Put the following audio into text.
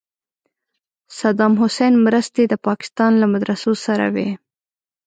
صدام حسین مرستې د پاکستان له مدرسو سره وې.